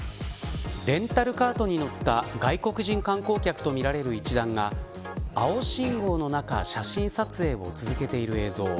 レンタルカートに乗った外国人観光客とみられる一団が青信号の中、写真撮影を続けている映像。